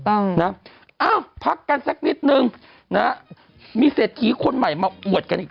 ต้องนะพักกันสักนิดนึงนะมีเสร็จขี้คนใหม่มาอวดกันอีก